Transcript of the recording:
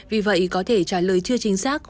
vì vậy có thể trả lời chưa chính xác